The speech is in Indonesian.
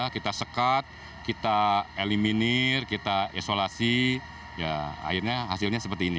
kita sekat kita eliminir kita isolasi akhirnya hasilnya seperti ini